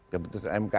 keputusan mk itu